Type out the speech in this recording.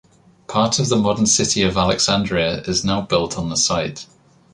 Part of the modern city of Alexandria is now built on the site.